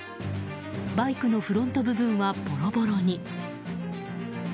バイクのフロント部分はボロボロに。